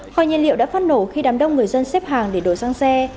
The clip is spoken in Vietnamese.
khoa nhân liệu đã phát nổ khi đám đông người dân xếp hàng để đổ sang xe